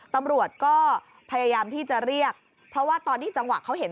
ตำรวจก็พยายามที่จะเรียกเพราะว่าตอนที่จังหวะเขาเห็น